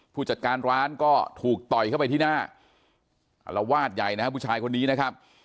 ผู้จัดการร้านก็ถูกต่อยเข้าไปที่หน้าอารวาสใหญ่นะครับผู้ชายคนนี้นะครับ